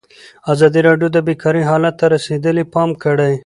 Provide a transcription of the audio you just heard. ازادي راډیو د بیکاري حالت ته رسېدلي پام کړی.